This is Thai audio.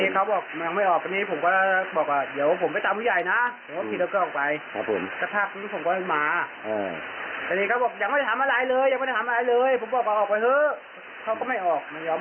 ข้างในหรือเปลี่ยนบ้านเขาอ้างว่าเสียอยู่แล้วพี่